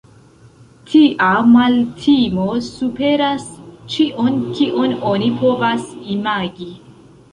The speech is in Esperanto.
Tia maltimo superas ĉion, kion oni povas imagi.